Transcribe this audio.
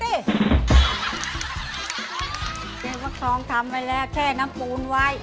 เจ๊ฟักทองทำไปแล้วแค่น้ำปูนไว้